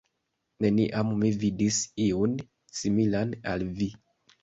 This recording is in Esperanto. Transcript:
Neniam mi vidis iun, similan al vi.